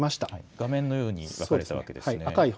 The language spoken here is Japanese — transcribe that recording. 画面のように分かれたわけですね。